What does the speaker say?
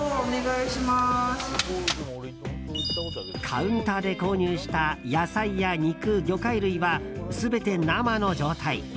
カウンターで購入した野菜や肉、魚介類は全て生の状態。